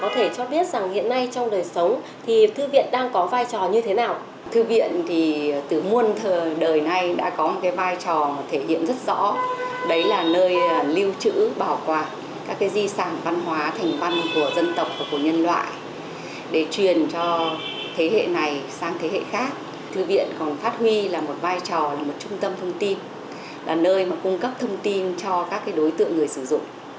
trong thế hệ này sang thế hệ khác thư viện còn phát huy là một vai trò là một trung tâm thông tin là nơi mà cung cấp thông tin cho các đối tượng người sử dụng